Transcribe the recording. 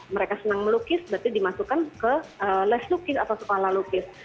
mereka senang melukis berarti dimasukkan ke less lukis atau sekolah lukis